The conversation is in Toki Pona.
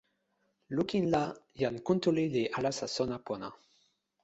lukin la, jan Kuntuli li alasa sona pona.